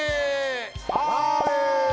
あれ！